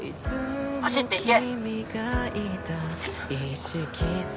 走って行け！